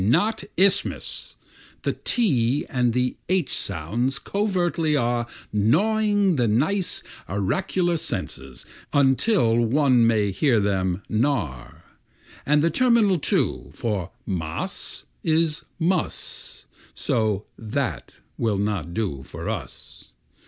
not isthmus The t and the h sounds covertly are Gnawing the nice auracular Senses until one may hear them gnar And the terminal, too, for m_a_s, is m_u_s, So that will not do for us.